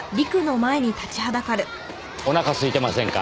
お腹すいてませんか？